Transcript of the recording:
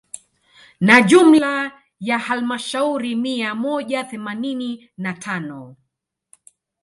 Na jumla ya halmashauri mia moja themanini na tano